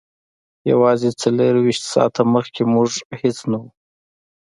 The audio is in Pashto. یوازې څلور ویشت ساعته مخکې موږ هیڅ نه وو